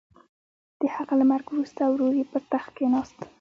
د هغه له مرګ وروسته ورور یې پر تخت کېناست.